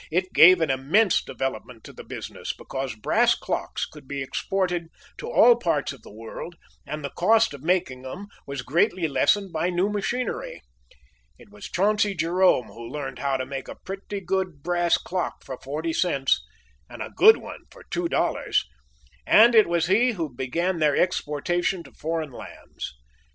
It gave an immense development to the business, because brass clocks could be exported to all parts of the world, and the cost of making them was greatly lessened by new machinery. It was Chauncey Jerome who learned how to make a pretty good brass clock for forty cents, and a good one for two dollars; and it was he who began their exportation to foreign lands.